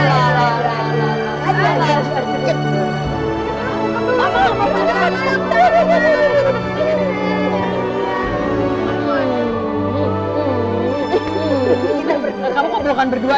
aduh aduh aduh